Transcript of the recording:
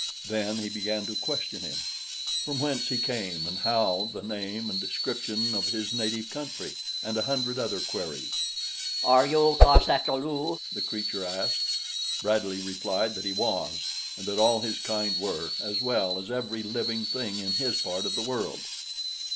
Then he began to question him from whence he came and how, the name and description of his native country, and a hundred other queries. "Are you cos ata lu?" the creature asked. Bradley replied that he was and that all his kind were, as well as every living thing in his part of the world.